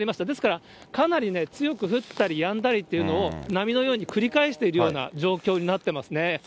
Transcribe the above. ですから、かなり強く降ったりやんだりっていうのを、波のように繰り返しているような状況になってますね。